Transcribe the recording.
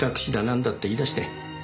なんだって言い出して。